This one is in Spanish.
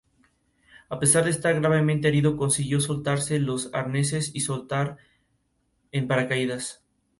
A pesar de estar gravemente herido consiguió soltarse los arneses y saltar en paracaídas.